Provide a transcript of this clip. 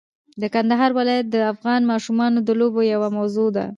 د کندهار ولایت د افغان ماشومانو د لوبو یوه موضوع ده.